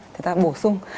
thì ta bổ sung